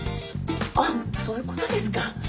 あっそういう事ですか。